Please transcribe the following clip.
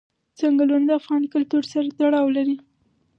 چنګلونه د افغان کلتور سره تړاو لري.